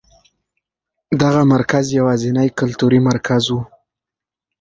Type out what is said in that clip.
دغه مرکز یوازېنی کلتوري مرکز و.